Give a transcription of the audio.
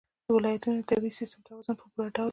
ولایتونه د طبعي سیسټم توازن په پوره ډول ساتي.